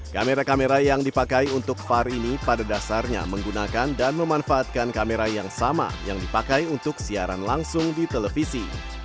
kamera kamera yang dipakai untuk var ini pada dasarnya menggunakan dan memanfaatkan kamera yang sama yang dipakai untuk siaran langsung di televisi